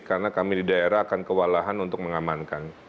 karena kami di daerah akan kewalahan untuk mengamankan